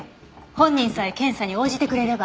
本人さえ検査に応じてくれれば。